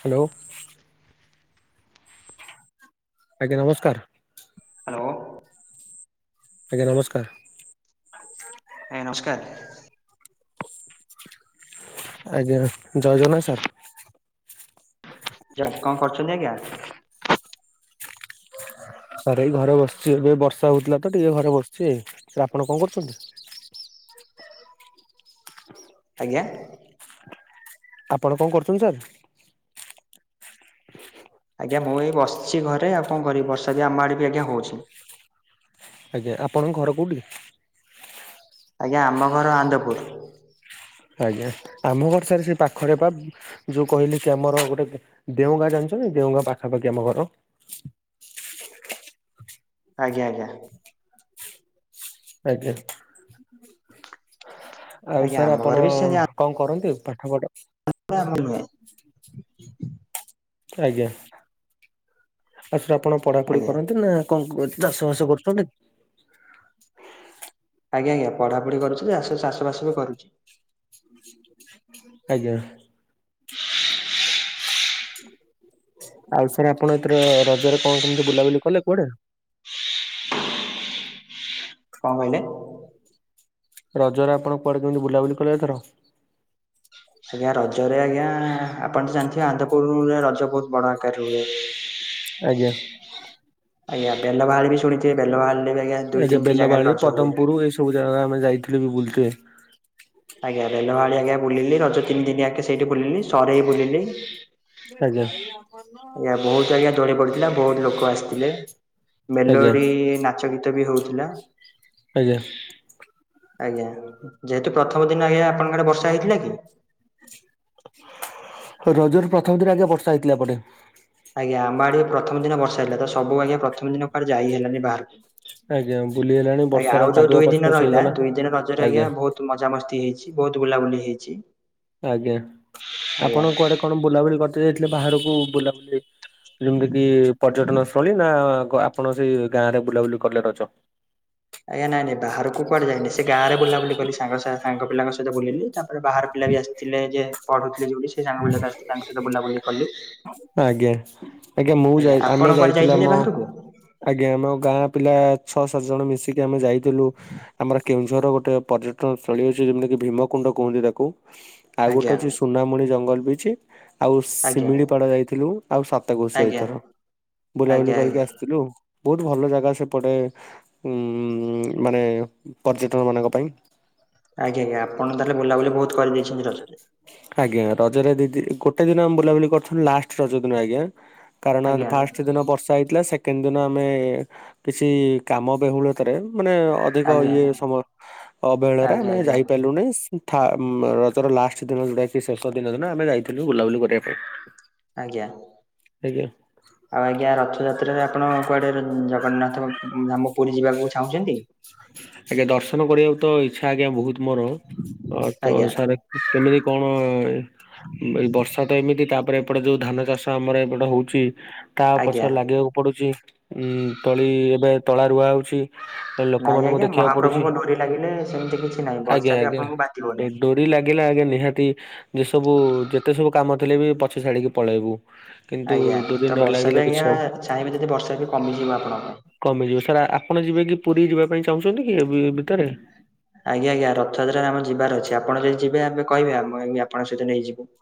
Hello. ଆଜ୍ଞା ନମସ୍କାର। Hello. ଆଜ୍ଞା ନମସ୍କାର। ଆଜ୍ଞା ନମସ୍କାର। ଆଜ୍ଞା ଜୟ ଜଗନ୍ନାଥ ସାର୍। କଣ କରୁଛନ୍ତି ଆଜ୍ଞା। ସାର ଏଇ ଘରେ ବସିଛି ଏବେ ବର୍ଷା ହଉଥିଲା ତ ଟିକେ ଘରେ ବସିଛି ଆପଣ କଣ କରୁଛନ୍ତି? ଆଜ୍ଞା। ଆପଣ କଣ କରୁଛନ୍ତି ସାର୍? ଆଜ୍ଞା ମୁଁ ଏଇ ବସିଛି ଘରେ ଆଉ କଣ କରିବି ବର୍ଷା ବି ଆମ ଆଡେ ବି ଆଜ୍ଞା ହଉଛି। ଆଜ୍ଞା ଆପଣଙ୍କ ଘର କୋଉଠିକି ଆଜ୍ଞା ଆମ ଘର ଆନ୍ଦପୁର। ଆଜ୍ଞା ଆମ୍ ଘର ସେ ପାଖରେ ପା। ଯୋଉ କହିଲି କି ଆମର ଗୋଟେ ଦେଉଁ ଗାଁ ଜାଣିଛନ୍ତି ଦେଉଁ ଗାଁ ପାଖାପାଖି ଆମ ଘର। ଆଜ୍ଞା ଆଜ୍ଞା। ଆଜ୍ଞା ଆଉ ଆଜ୍ଞା ସାର୍ ଆମ ଘରେ ଆପଣ ବି ସେ କଣ କରନ୍ତି ପାଠ ପଢ଼ା? [unintelligible] [inaudible] ଆଜ୍ଞା ଆଉ ସାର୍ ଆପଣ ପଢାପଢି ଆଜ୍ଞା କରନ୍ତି ନା କଣ ଚାଷ ବାସ କରୁଛନ୍ତି ଆଜ୍ଞା ଆଜ୍ଞା ପଢାପଢି କରୁଚି ଚାଷ ଚାଷବାସ ବି କରୁଛି। ଆଜ୍ଞା। ଆଉ ସାର୍ ଆପଣ ଏଥିର ରଜରେ କଣ କେମତି ବୁଲାବୁଲି କଲେ କୁଆଡେ? କଣ କହିଲେ? ରଜରେ ଆପଣ କୁଆଡେ କେମିତି ବୁଲାବୁଲି କଲେ ଏଥର ଆଜ୍ଞା ରଜରେ ଆଜ୍ଞା ଆପଣ ତ ଜାଣିଥିବେ ଆନ୍ଦପୁରରୁରେ ରଜ ବହୁତ ବଡ଼ ଆକାରରେ ହୁଏ। ଆଜ୍ଞା। ଆଜ୍ଞା ବେଲ ବାହାଳିବି ଶୁଣିଥିବେ ବେଲବାହାଲ। ଆଜ୍ଞା ବେଲବାଳି ପଦମପୁର ଏଇ ସବୁ ଜାଗା ଆମେ ଯାଇଥିଲୁ ବୁଲ ତେ। ଆଜ୍ଞା ରେଲବାଳି ଆଜ୍ଞା ବୁିଲିଲି ରଜ ତିନି ଦିନି ଆଗେ ସେଇଠି ବୁଲିଲି ସହରେଇ ବୁଲିଲି ଆଜ୍ଞା। ଦଳି ପଡ଼ିଥିଲା ବହୁତ ଲୋକ ଆସିଥିଲେ ଆଜ୍ଞା ମେଲୋଡ଼ି ନାଚ ଗୀତ ବି ହଉଥିଲା। ଆଜ୍ଞା। ଆଜ୍ଞା ଯେହେତୁ ପ୍ରଥମ ଦିନ ଆଜ୍ଞା ଆପଣଙ୍କ ଆଡେ ବର୍ଷା ହେଇଥିଲା କି? ରଜରେ ପ୍ରଥମ ଦିନ ଆଜ୍ଞା ବର୍ଷା ହେଇଥିଲା ଏପଟେ। ଆଜ୍ଞା ଆମ ଆଡେ ପ୍ରଥମ ଦିନ ବର୍ଷା ହେଲା ତ ସବୁ ଆଜ୍ଞା ପ୍ରଥମ ଦିନ କୁଆଡେ ଯାଇ ହେଲାନି ବାହାରକୁ। ଆଜ୍ଞା ବୁଲି ହେଲାଣି ଆଜ୍ଞା ବର୍ଷାରେ ଆଉ ଯୋଉ କାଦୁଅ ଦୁଇ ପଚ ଦିନ ପଚ ରହିଲା ହେଇଗଲା ଦୁଇ ଦିନ ରଜର ଆଜ୍ଞା ବହୁତ ବହୁତ ମଜାମସ୍ତି ହେଇଛି ବହୁତ ବୁଲାବୁଲି ହେଇଛି। ଆଜ୍ଞା ଆଜ୍ଞା। ଆପଣ କୁଆଡେ କଣ ବୁଲାବୁଲି କରିତେ ଯାଇଥିଲେ ବାହାରକୁ ବୁଲାବୁଲି ଯେମିତି କିି ପର୍ଯ୍ୟଟନ ସ୍ଥଳୀ ନା ଆପଣ ସେଇ ଗାଁ ରେ ବୁଲାବୁଲି କଲେ ର ଅଛ ଆଜ୍ଞା ନାଇଁ ନାଇଁ ବାହାରକୁ କୁଆଡ଼େ ଯାଇିନି ସେ ଗାଁରେ ବୁଲାବୁଲି କଲି ସାଙ୍ଗ ସାଙ୍ଗ ପିଲାଙ୍କ ସହିତ ବୁଲିଲି ତାପରେ ବାହାର ପିଲା ବି ଆସିଥିଲେ ଯେ ପଢ଼ୁଥିଲି ଯଉଠି ସେ ସାଙ୍ଗ ବୁ ତାଙ୍କ ସହିତ ବୁଲାବୁଲି କଲି ଆଜ୍ଞା। ମୁଁ ଆଜ୍ଞା ଯାଇ ଆମେ ଆପଣ କୁଆଡେ ଯାଇଥିଲୁ ଯାଇଛନ୍ତି ଆମ ବାହାରକୁ? ଆଜ୍ଞା ଆମ ଗାଁ ପିଲା ଛଅ ସାତ ଜଣ ମିଶିକି ଆମେ ଯାଇଥିଲୁ। ଆମର କେଉଁଝର ଗୋଟେ ପର୍ଯ୍ୟଟନ ସ୍ଥଳୀ ଅଛି ଯେମିତିକି ଭୀମକୁଣ୍ଡ କୁହନ୍ତି ତାକୁ ଆଉ ଗୋଟେ ଆଜ୍ଞା ଅଛି ସୁନାମୁଣି ଜଙ୍ଗଲ ବି ଅଛି ଆଉ ଆଜ୍ଞା। ଶିମିଳିପାଳ ଯାଇଥିଲୁ ଆଉ ସାତକୋସିି ଆଜ୍ଞା ଯାଇଥର ବୁଲାବୁଲି ଆଜ୍ଞା ଆଜ୍ଞା କରିକି ଆସିଥିଲୁ। ବହୁତ ଭଲ ଜାଗା ସେପଟେ ଉ ମାନେ ପର୍ଯ୍ୟଟନ ମାନଙ୍କ ପାଇଁ। ଆଜ୍ଞା ଆଜ୍ଞା ଆପଣ ତାହେଲେ ବୁଲାବୁଲି ବହୁତ କରିଦେଇଛନ୍ତି ଆଜ୍ଞା ରଜରେ ଦିଦି ଗୋଟେ ଦିନ ଆମେ ବୁଲାବୁଲି କରୁଥିଲୁ ଲାଷ୍ଟ ରଜ ଦିନ ଆଜ୍ଞା କାରଣ ଆଜ୍ଞା ଫା ସେ ଦିନ ବର୍ଷା ହେଇଥିଲା ସେକେଣ୍ଡ ଦିନ ଆମେ କିଛି କାମ ବହୁଳତରେ ମାନେ ଅଧିକ ଆଜ୍ଞା ଇଏ ସମୟ ଅବେଳରେ ଆଜ୍ଞା ଆମେ ଆଜ୍ଞା ଯାଇପାରିଲୁ ନାହିଁ ରଜର ଲାଷ୍ଟ। ଦିନେ ଯାଇଥିଲୁ ଶେଷ ଦିନ ନା ଆମେ ଯାଇଥିଲୁ ବୁଲାବୁଲି କରିବା ପାଇଁ। ଆଜ୍ଞା। ଆଜ୍ଞା ଆଉ ଆଜ୍ଞା ରଥଯାତ୍ରାରେ ଆପଣ କୁଆଡେ ଜଗନ୍ନାଥ ଧାମ ପୁରୀ ଯିବାକୁ ଚାହୁଁଛନ୍ତି? ଆଜ୍ଞା ଦର୍ଶନ କରିବାକୁ ତ ଇଚ୍ଛା ଆଜ୍ଞା ବହୁତ୍ ମୋର ତଅ ଆଜ୍ଞା ସା କେମିତି କଣ ବର୍ଷା ତ ଏମିତି, ତାପରେ ଏପଟେ ଯୋଉ ଧାନ ଚାଷ ଆମର ଏପଟେ ହଉଛି ତା ଆଜ୍ଞା ପଛଅ ଲାଗିବାକୁ ପଡୁଛି ଉଁ ତଳି ଏବେ ତଳା ରୁଆ ହଉଛି ନାଇଁ ଲୋକମାନଙ୍କୁ ଆଜ୍ଞା, ଦେଖିବାକୁ ପଡୁଛି। ମହାପ୍ରଭୁଙ୍କଙ୍କୁ ଡରି ଲାଗିଲେ ସେମିତି କିଛି ନାହିଁ ବର୍ଷା ବି ଆପଣଙ୍କୁ ବାତି ହଉନାହିଁ। ନିଇ ଲାଗିଲେ ଆଜ୍ଞା, ନିହାତି ଯେ ସବୁ ଯେତେ ସବୁ କାମ ଥିଲେ ବି ପଛ ଛାଡିକି ପଳେଇବୁ। କିନ୍ତୁ ଆଜ୍ଞା ଡୋରି ତ ନ ବର୍ଷା ଲାଗିଲେ ବି କିଛି ଆଜ୍ଞା, ହବ ଚାହିଁବେ ଯଦି, ବର୍ଷା ବି କମିଯିବ ଆପଣଙ୍କ କମିଯିବ ସାର୍ ଆପଣ ଯିବେ କି ପୁରୀ ଯିବା ପାଇଁ ଚାହୁଁଛନ୍ତି କି ଭିତରେ? ଆଜ୍ଞା ଆଜ୍ଞା, ରଥଯାତ୍ରାରେ ଆମ ଯିବାର ଅଛି। ଆପଣ ଯଦି ଯିବେ, ଆପେ କହିବେ ଆମ ଆପଣଙ୍କ ସହିତ ନେଇଯିବୁ।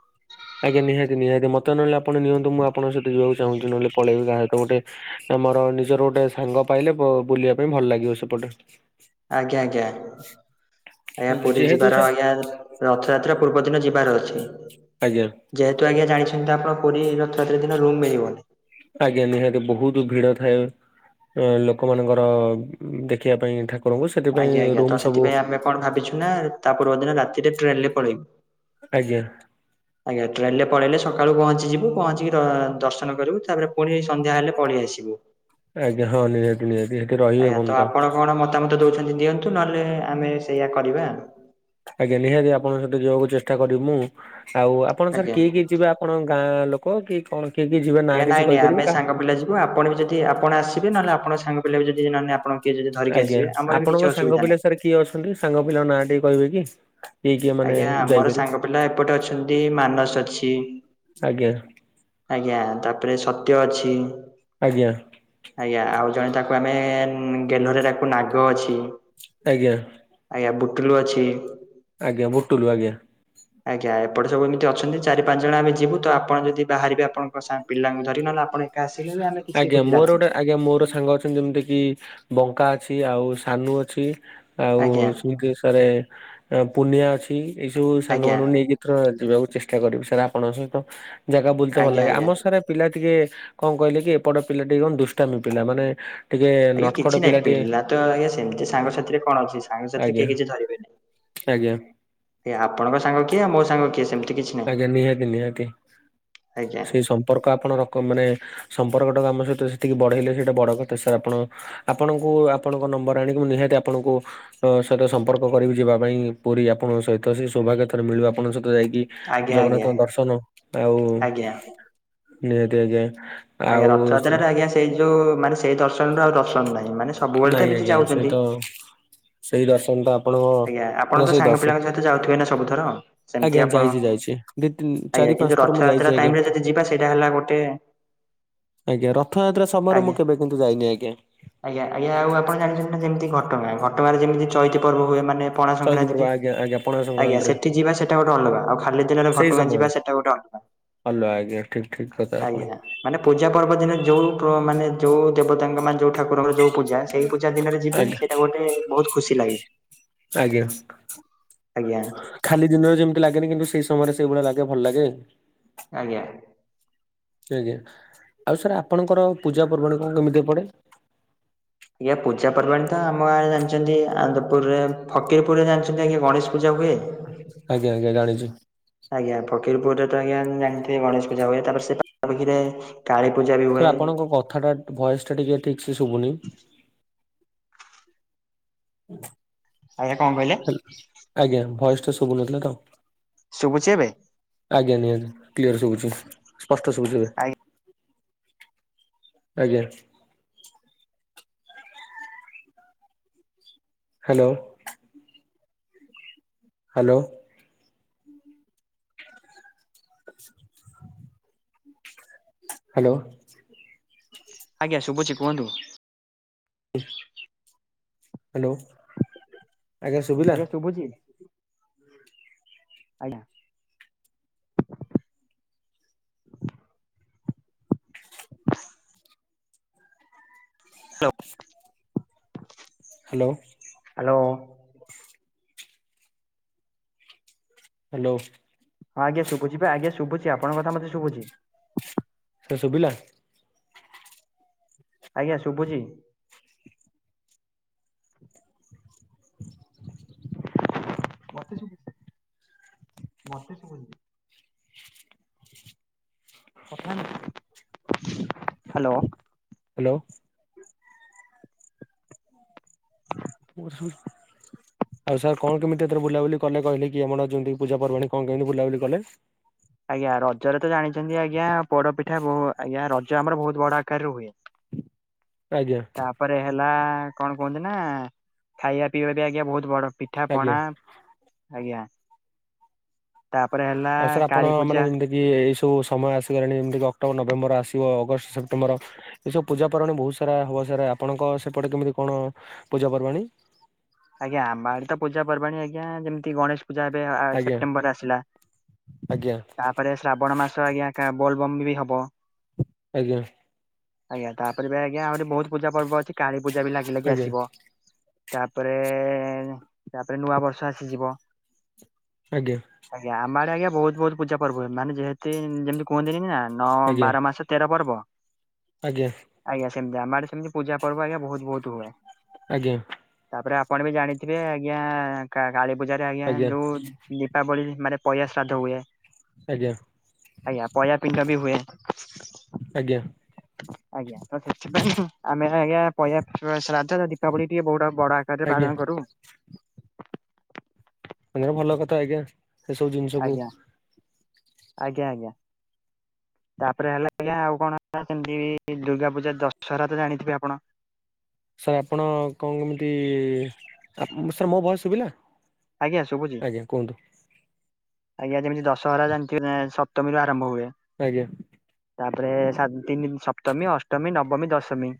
ଆଜ୍ଞା, ନିହାତି ନିହାତି ମତେ ନହେଲେ ଆପଣ ନିଅନ୍ତୁ, ମୁଁପଣଙ୍କ ସହି ଯିବାକୁ ଚାହୁଁଛି, ନହେଲେ ପଳେଇବି କାହାତ ଗୋଟେ। ଆମର ନିଜର ଗୋଟେ ସାଙ୍ଗ ପାଇଲେ, ବୁଲିବା ପାଇଁ ଭଲ ଲାଗିବ ସେପଟେ। ଆଜ୍ଞା ଆଜ୍ଞା ଆଜ୍ଞା ଆଜ୍ଞା ପୁରୀ, ଯେହେତୁ ଯିବାର ସାର୍ ଆଜ୍ଞା। ରଥଯାତ୍ରା ପୂର୍ବ ଦିନ ଯିବାର ଅଛି। ଆଜ୍ଞା। ଯେହେତୁ ଆଜ୍ଞା, ଜାଣିଛନ୍ତି ଆପଣ, ପୁରୀ ରଥଯାତ୍ରି ଦିନ ରୁମ୍ ମିଳିବନି। ଆଜ୍ଞା ନିହାତି ବହୁତ ଭିଡ ଥାଏ ଲୋକମାନଙ୍କର ଦେଖିବା ପାଇଁ ଠାକ୍ ରହିବୁ ସେଥିପାଇଁ ଆଜ୍ଞା ଆଜ୍ଞା ତ ରୁମ୍ ସବୁ। ସେଥିପାଇଁ ଆମେ କଣ ଭାବିଛୁନା ତା ପୂର୍ବ ଦିନ ରାତିରେ ଟ୍ରେନରେ ପଳେଇବୁ? ଆଜ୍ଞା। ଆଜ୍ଞା ଟ୍ରେନରେ ପଳେଇଲେ ସକାଳୁ ପହଞ୍ଚିଯିବୁ ପହଞ୍ଚିକି, ଦଅ ଦର୍ଶନ କରିବୁ ତାପରେ ପୁଣି ସନ୍ଧ୍ୟା ହେଲେ ପଳେଇ ଆସିବୁ ଆଜ୍ଞା ହଁ ନିହାତି ନିହାତି ସେଠି ରହିବେ ଆଜ୍ଞା କଣ ତ ଆପଣ କଣ ମତାମତ ଦଉଛନ୍ତି ଦିଅନ୍ତୁ ନହେଲେ ଆମେ ସେଇୟଆ କରିବା। ଆଜ୍ଞା ନିହାତି ଆପଣଙ୍କ ସହିତ ଯିବାକୁ ଚେଷ୍ଟା କରିମୁ। ଆଉ ଆପଣ ସାର୍ ଆଜ୍ଞା। କିଏ କିଏ ଯିବେ ଆପ୍? କଣ ଗାଁ ଲୋକ କି କଣ? କିଏ କି ଯିବେ ନା କିଛି କହିପାରିବେ କାହା ତେଣୁ ଆପଣବି ଜଦି ଆପଣ ଆସିବେ ନହେଲେ ଆପଣ ସାଙ୍ଗ ପିଲା ଯଦି ନହେଲେ ଆପଣ କିଏ ଯଦି ଧରିକି ଆଜ୍ଞା ଆସିବେ, ଆମର ବି ଆପଣଙ୍କ କିଛି ସାଙ୍ଗ ଅସବିଧା ପିଲା ନାହିଁ। ସାର୍ କିଏ ଅଛନ୍ତି ସାଙ୍ଗ ପିଲା, ନାଁ ଟିକେ କହିବେ କି? କିଏ କିଏ ମାନେ ଆଜ୍ଞା ଆମର ଯାଇପାରିବେ ସାଙ୍ଗ ପିଲା ଏପଟେ ଅଛନ୍ତି, ମାନସ ଅଛି। ଆଜ୍ଞା ଆଜ୍ଞା ତାପରେ ସତ୍ୟ ଅଛି। ଆଜ୍ଞା। ଆଜ୍ଞା ଆଉ ଜଣେ ତାକୁ ଆମେ ଗେହ୍ଲରେ ଡାକୁ ନାଗ ଅଛି। ଆଜ୍ଞା। ଆଜ୍ଞା, ବୁଟୁଲୁ ଅଛି। ଆଜ୍ଞା, ଭୁଟୁଲୁ, ଆଜ୍ଞା। ଆଜ୍ଞା ଏପଟେ ସବୁ ଏମିତି ଅଛନ୍ତି, ଚାରି ପାଞ୍ଚ ଜଣ ଆମେ ଯିବୁ ତ। ଆପଣ ଯଦି ବାହାରିବେ, ଆପଣଙ୍କ ସାଙ୍ଗ ପିଲାଙ୍କୁ ଧରି, ନହେଲେ ଆପଣ ଏକା ଆସିଲେ ବି ଆମେ କିଛି ଆଜ୍ଞା ଖୋଜି ମୋର ରାଜି ଗୋଟେ ଆଜ୍ଞା ମୋର ସାଙ୍ଗ ଅଛ୍। ଯେମିଟା କି ବଙ୍କା ଅଛି, ଆଉ ସାନୁ ଅଛି। ଆଉ ଆଜ୍ଞା [unintelligible] ଦେଶରେ ପୂନିଆ ଅଛି, ଏଇ ସବୁ ସାଙ୍ଗ ଆଜ୍ଞା ମାନଙ୍କୁ ନେଇକି ତ୍ରଅ ଯିବାକୁ ଚେଷ୍ଟା କରିବି ସାର୍, ଆପଣଙ୍କ ସହିତ ଜାଗା ବୁଲତେ ଭଲ ଆଜ୍ଞା ଲାଗେ ଆଜ୍ଞା। ଆମର ସାର୍, ପିଲା ଟିକେ କଣ କହିଲେ କି ଏପଟ ପିଲା, ଟିକେ କଣ ଦୁଷ୍ଟାମୀ ପିଲା ମାନେ ଟିକେ ଆଜ୍ଞା, ନଟଖଟ କିଛି ନାହିଁ। ଟିକେ ପିଲା ତ ଆଜ୍ଞା ସେମିତି ସାଙ୍ଗସାଥିରେ କଣ ଅଛି, ସାଙ୍ଗସାଥିରେ ଆଜ୍ଞା କିଏ କିଛି ଧରିବେନହିଁ। ଆଜ୍ଞା। ଏ ଆପଣଙ୍କ ସାଙ୍ଗ କିଏ ମୋ ସାଙ୍ଗ କିଏ ସେମିତି କିଛି ନାହିଁ ଆଜ୍ଞା ନିହାତି ନିହାତି ଆଜ୍ଞା ସେଇ ସମ୍ପର୍କ ଆପଣ ରଖ କ ମାନେ ସମ୍ପର୍କଟାକ ଆମ ସହିତ ସେତିକି ବଢେଇଲେ ସେଇଟା ବଡ କଥା ସାର୍ ଆପଣ ଆପଣଙ୍କୁ ଆପଣଙ୍କ ନମ୍ବର ଆଣିକି ମୁ ନିହାତି ଆପଣଙ୍କୁ ତ ସହିତ ସମ୍ପର୍କ କରିବି ଯିବା ପାଇଁ ପୁରୀ ଆପଣଙ୍କ ସହିତ ସେ ସୌଭାଗ୍ୟ ଥରେ ମିଳିବ ଆପଣଙ୍କ ସହିତ ଯାଇକି। ଆଜ୍ଞା ଆଜ୍ଞା ଜଗନ୍ନାଥଙ୍କ ଦର୍ଶନ ଆଉ ଆଜ୍ଞା। ନିହାତି ଆଜ୍ଞା। ଆଜ୍ଞା ଆଉ ରଥଯାତ୍ରାରେ ଆଜ୍ଞା ସେଇ ଯୋଉ ମାନେ ସେଇ ଦର୍ଶନରେ ଆଉ ଦର୍ଶନ ନାହିଁ ମାନେ ସବୁବେଳେ ତ ନାଇଁ ଏମିତି ଆଜ୍ଞା ସେଇ ତ ଯାଉଚନ୍ତି। ସେଇ ଦର୍ଶନ ତାପ୍ ଆଜ୍ଞା ଆପଣ ତ ସାଙ୍ଗ ପିଲାଙ୍କ ସହିତ ଯାଉଥିବେ ନା ସବୁଥର। ସେମିତି ଆଜ୍ଞା ଆପଣ ଯାଇଛି ଯାଇଛି ଦି ତିନି ଚାରି ଆଜ୍ଞା ପାଞ୍ଚ କିନ୍ତୁ ଥର ମୁଁ ଯାଇଛି ରଥଯାତ୍ରା ଆଜ୍ଞା ଟାଇମ୍ ରେ ଯଦି ଯିବା ସେଇଟା ହେଲା ଗୋଟେ ଆଜ୍ଞା ରଥଯାତ୍ରା ସମୟରେ ମୁଁ ଆଜ୍ଞା। କେବେ କିନ୍ତୁ ଯାଇନି ଆଜ୍ଞା। ଆଜ୍ଞା ଆଜ୍ଞ ଆଉ ଆପଣ ଜାଣିଚନ୍ତି ନା ଯେମିତି ଘଟଗାଁ ଘଟଗାଁରେ ଯେମିତି ଚଇତି ପର୍ବ ହୁଏ ମା ପଣା ଚୈତି ସଂକ୍ରାନ୍ତି ପୂର୍ବ କି ଆଜ୍ଞା ଆଜ୍ଞା ପଣା ଆଜ୍ଞା ସଂକ୍ରାନ୍ତିରେ ସେଠି ଯିବା ସେଟା ଗୋଟେ ଅଲଗା ଆଉ ଖାଲି ତିରିରରେ ସେଇ ଘଟଗାଁ ସମୟରେ ଯିବା ସେଟା ଗୋଟେ ଅଲଗା। ଭଲ ଆଇଡିଆ ଠିକ୍ ଠିକ୍ କଥାପଣ। ଆଜ୍ଞା ମାନେ ପୂଜା ପର୍ବ ଦିନେ ଯୋଉଠୁ ମାନେ ଯୋଉ ଦେବତାଙ୍କ ମାନେ ଯୋଉଠୁ ଠାକୁରର ଯୋଉ ପୂଜା ସେଇ ପୂଜା ଦିନରେ ଯିବେ ଆଜ୍ଞା ସେଇଟା ଗୋଟେ ବହୁତ ଖୁସି ଲାଗେ। ଆଜ୍ଞା। ଆଜ୍ଞା ଖାଲି ଦିନରେ ଯେମିତି ଲାଗେନି କିନ୍ତୁ ସେଇ ସମୟରେ ସେଇଭଳିଆ ଲାଗେ ଭଲ ଲାଗେ। ଆଜ୍ଞା। ଆଜ୍ଞା ଆଉ ସାର୍ ଆପଣଙ୍କର ପୂଜା ପର୍ବାଣ କଣ କେମିତି ପଡେ। ଆଜ୍ଞା ପୂଜା ପର୍ବାଣିୀ ତ ଆମ ଗାଁରେ ଜାଣିଚନ୍ତି ଆନନ୍ଦପୁରରେ ଫକୀରପୁରରେ ଜାଣିଛନ୍ତି ଆଜ୍ଞା ଗଣେଶ ପୂଜା ହୁଏ। ଆଜ୍ଞା ଆଜ୍ଞା ଜାଣିଛୁ। ଆଜ୍ଞା ଫକୀରପୁରରେ ତ ଆଜ୍ଞା ଜାଣିଥିବେ ଗଣେଶ ପୂଜା ହୁଏ ତାପରେ ସେ ପାଖାପାଖିରେ କାଳୀପୂଜା ବି ହୁଏ। ମୋ କଥାଟା ବୟସ ଟା ଟିକେ ଠିକ୍ ସେ ଶୁଭୁନି। ହୁଁ। ଆଜ୍ଞା କଣ କହିଲେ। ଆଜ୍ଞା ଭଏସ ଟା ସବୁ ନଥିଲା ତ। ଶୁଭୁଛି ଏବେ। ଆଜ୍ଞା ନିହାତି କ୍ଲିଅର ଶୁବୁଛି ସ୍ପଷ୍ଟ ସବୁଛି ଏବେ। ଆଜ୍ଞା। ହ୍ୟାଲୋ। ହ୍ୟାଲୋ। ହ୍ୟାଲୋ। ଆଜ୍ଞା ଶୁଭୁଛି କୁହନ୍ତୁ। ହି। ହ୍ୟାଲୋ ଆଜ୍ଞା ସା ଆଜ୍ଞା ଶୁବୁଚି। ଆଜ୍ଞା। ହ୍ୟାଲୋ। ହ୍ୟାଲୋ। ହ୍ୟାଲୋ। ହ୍ୟାଲୋ। ହଁ ଆଜ୍ଞା ଶୁଭୁଚି ପା ଆଜ୍ଞା ଶୁଭୁଚି ଆପଣଙ୍କ କଥା ମତେ ଶୁବୁଚି। ସେ ଶୁଭିଲା। ଆଜ୍ଞା ଶୁଭୁଛି। ମତେ ଶୁଭୁଛି ମତେ ଶୁଭୁଛିି ବି। କଥା ହେମି। ହାଲୋ। ହାଲୋ। ମୋ କଥା ଶୁଭୁଚି? ଆଉ ସାର୍ କଣ କେମିତି ଏଥର ବୁଲାବୁଲି କଲେ କହିଲେ କି ଆମର ଯେମତି ପୂଜା ପର୍ବାଣି କଣ କେମିତି ବୁଲାବୁଲି କଲେ? ଆଜ୍ଞା ରଜରେ ତ ଜାଣିଛନ୍ତି ଆଜ୍ଞା ପୋଡପିଠା ବହୁ ଆଜ୍ଞା ରଜ ଆମର ବହୁତ୍ ବଡ ଆକାରରେ ହୁଏ। ଆଜ୍ଞା। ତାପରେ ହେଲା କଣ କୁହନ୍ତି ନା ଖାଇବା ପିଇବା ବି ଆଜ୍ଞା ବହୁତ୍ ବଡ। ଆଜ୍ଞା ପିଠାପଣା ଆଜ୍ଞା। ତାପରେ ହେଲା କାଳୀ ପୂଜା। କି ଏଇସବୁ ସମୟ ଆସିଗଲାଣି ଯେମିତିକି ଅକ୍ଟୋବର ନଭେମ୍ବର ଆସିବ ଅଗଷ୍ଟ ସେପ୍ଟେମ୍ବର। ଏସବୁ ପୂଜା ପର୍ବାଣୀ ବହୁତ୍ ସାରା ହବ ସାରେ ଆପଣଙ୍କ ସେପଟେ କେମିତି କଣ ପୂଜା ପର୍ବାଣୀ? ଆଜ୍ଞା ଆମଆଡେ ତ ପୂଜାପର୍ବାଣୀ ଆଜ୍ଞା ଯେମତି ଗଣେଶ। ପୂଜା ଏବେ ଆ ଆଜ୍ଞା ସେପ୍ଟେମ୍ବରରେ ଆସିଲା ଆଜ୍ଞା ତା ପରେ ଶ୍ରାବଣ ମାସ ଆଜ୍ଞା କାହା ବୋଲବମ୍ ବି ହବ। ଆଜ୍ଞା। ଆଜ୍ଞା ତାପରେ ବି ଆଜ୍ଞା ଆହୁରି ବହୁତ୍ ପୂଜା ପର୍ବ ଅଛି କାଳୀ ପୂଜା ବି ଲାଗି ଲାଗି ଆଜ୍ଞା ଆସିବ। ପରେ ତାପରେ ନୂଆ ବର୍ଷ ଆସିଯିବ। ଆଜ୍ଞା। ଆଜ୍ଞା ଆମଆଡେ ଆଜ୍ଞା ବହୁତ୍ ବହୁତ୍ ପୂଜାପର୍ବ ହୁଏ ମାନେ ଯେମହେତି ଯେମିତି କୁହନ୍ତିନି ନା। ନଅ ଆଜ୍ଞା ବାର ମାସ ତେର ପର୍ବ। ଆଜ୍ଞା। ଆଜ୍ଞା ସେମତି ଆମଆଡେ ସେମତି ପୂଜା ପର୍ବ ଆଜ୍ଞା ବହୁତ୍ ବହୁତ୍ ହୁଏ। ଆଜ୍ଞା। ତାପରେ ଆପଣ ବି ଜାଣିଥିବେ ଆଜ୍ଞା କା କାଳୀ ପୂଜାରେ ଆଜ୍ଞା ଯୋଉ। ଦୀପାବଳି ମାନେ ପହିୟା ଶ୍ରାଦ୍ଧ ହୁଏ। ଆଜ୍ଞା ଆଜ୍ଞା ପହିୟା ପିଣ୍ଡ ବି ହୁଏ। ଆଜ୍ଞା। ଆଜ୍ଞା ତ ସେଥିପାଇଁ ଆମେ ହେଲା ଆଜ୍ଞା ପହିୟା ପ ଶ୍ରାଦ୍ଧର ଦୀପାବଳି ଟିକେ ବହୁଡ। ବଡ ଆକାରରେ ଆଜ୍ଞା ପାଳନ କରୁ। ଆଜ୍ଞା ଭଲ କଥା ଆଜ୍ଞା। ସେସବୁ ଜିନିଷକୁ ଆଜ୍ଞା ଆଜ୍ଞା ଆଜ୍ଞା। ତାପରେ ହେଲା ଆଜ୍ଞା ଆଉ କଣ ହେଲା ସେମିତି ଦୁର୍ଗା ପୂଜା ଦଶହରା ତ ଜାଣିଥିବେ ଆପଣ। ସାର୍ ଆପଣ କଣ କେମିତି ଆ ସାର୍ ମୋ ଭୟେସ୍ ଶୁଭିଲା? ଆଜ୍ଞା ଶୁଭୁଚି। ଆଜ୍ଞା କୁହନ୍ତୁ? ଆଜ୍ଞା ଯେମିତି ଦଶହରା ଜାଣିଥିବେ ସପ୍ତମୀରୁ ଆରମ୍ଭ ହୁଏ। ଆଜ୍ଞା। ତାପରେ ସାତ ଦିନି ସପ୍ତମୀ ଅଷ୍ଟମୀ ନବମୀ ଦଶମୀ।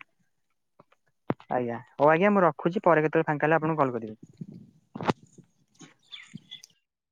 ଆଜ୍ଞା ହଉ ଆଜ୍ଞା ମୁଁ ରଖୁଛି ପରେ କେତେବେଳେ ଫାଙ୍କା ହେଲେ ଆପଣଙ୍କୁ କଲ କରିବି।